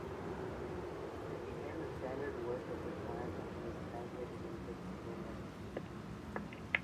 It became the standard work of the time and was translated into several languages.